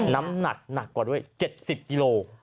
น้ำหนักหนักกว่าด้วย๗๐กิโล